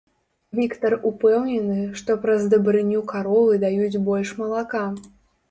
Віктар упэўнены, што праз дабрыню каровы даюць больш малака.